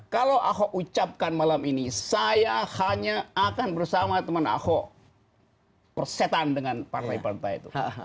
kalau ahok ucapkan malam ini saya hanya akan bersama teman ahok persetan dengan partai partai itu